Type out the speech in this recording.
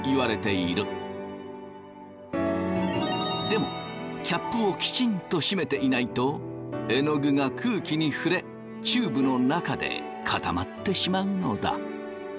でもキャップをきちんと閉めていないとえのぐが空気に触れチューブの中で固まってしまうのだ。